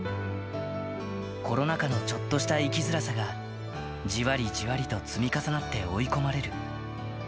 コロナ禍のちょっとした生きづらさが、じわりじわりと積み重なって追い込まれる。